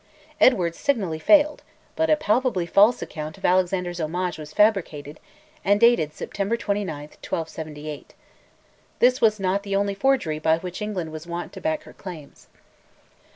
Edward signally failed; but a palpably false account of Alexander's homage was fabricated, and dated September 29, 1278. This was not the only forgery by which England was wont to back her claims.